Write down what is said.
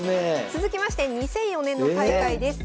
続きまして２００４年の大会です。